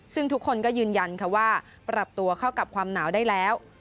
ซึ่งทุกคนก็ยืนยันค่ะว่าปรับตัวเข้ากับความหนาวได้แล้ว